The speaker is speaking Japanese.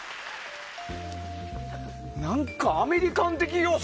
何か、アメリカン要素